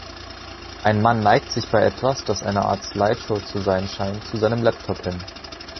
Ein Mann neigt sich bei etwas, das eine Art Slideshow zu sein scheint, zu seinem Laptop hin.